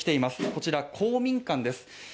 こちら公民館です